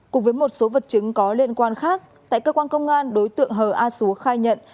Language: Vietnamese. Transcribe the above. cùng với một số vật chứng có liên quan khác tại cơ quan công an đối tượng hờ a xúa khai nhận